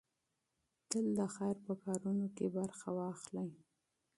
تل د خير په کارونو کې برخه واخلئ.